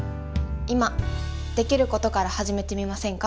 今できることから始めてみませんか？